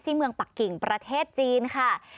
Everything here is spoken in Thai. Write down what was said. เมืองปักกิ่งประเทศจีนค่ะ